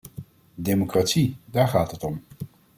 Democratie, daar gaat het om.